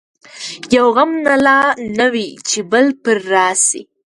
یو غم نه لا نه وي چي بل پر راسي